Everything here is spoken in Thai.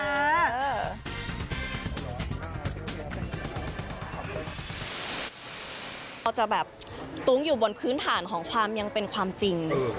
เราจะแบบตุ้งอยู่บนพื้นฐานของความยังเป็นความจริง